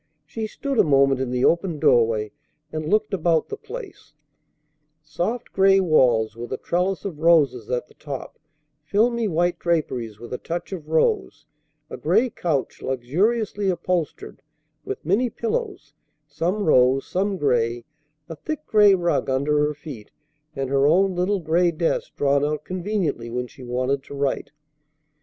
She stood a moment in the open doorway, and looked about the place; soft gray walls, with a trellis of roses at the top, filmy white draperies with a touch of rose, a gray couch luxuriously upholstered, with many pillows, some rose, some gray, a thick, gray rug under her feet, and her own little gray desk drawn out conveniently when she wanted to write.